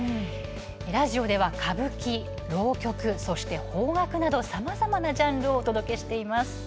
ラジオでは歌舞伎、浪曲、邦楽などさまざまなジャンルをお届けしています。